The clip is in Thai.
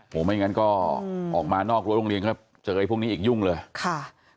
โอ้โหไม่งั้นก็ออกมานอกรั้วโรงเรียนก็เจอไอ้พวกนี้อีกยุ่งเลยค่ะ